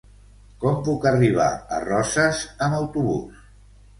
Com puc arribar a Roses amb autobús?